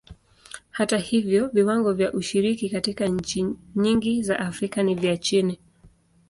Hata hivyo, viwango vya ushiriki katika nchi nyingi za Afrika ni vya chini.